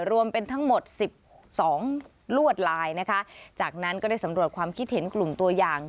รวมเป็นทั้งหมดสิบสองลวดลายนะคะจากนั้นก็ได้สำรวจความคิดเห็นกลุ่มตัวอย่าง